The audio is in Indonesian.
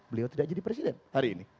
beliau tidak jadi presiden hari ini